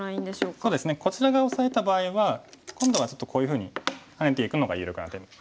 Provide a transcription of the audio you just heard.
こちら側オサえた場合は今度はちょっとこういうふうにハネていくのが有力な手ですね。